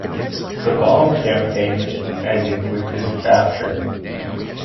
The bomb campaign ended with his capture.